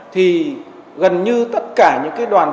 thì gần như tất cả mọi người đã đăng lên facebook cá nhân